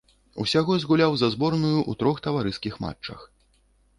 Усяго згуляў за зборную ў трох таварыскіх матчах.